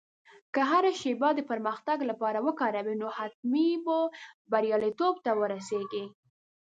که هره شېبه د پرمختګ لپاره وکاروې، نو حتمي به بریالیتوب ته ورسېږې.